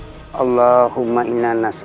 alhamdulillah alahumma whalaer